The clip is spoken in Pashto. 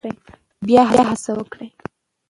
بیا هڅه وکړئ.